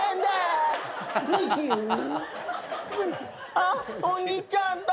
あっお兄ちゃんだ。